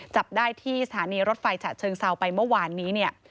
จับได้ที่สถานีรถไฟฉะเชิงเซาไปเมื่อวานนี้เนี่ย